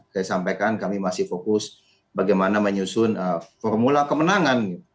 saya sampaikan kami masih fokus bagaimana menyusun formula kemenangan